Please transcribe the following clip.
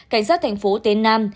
cảnh sát thành phố tế nam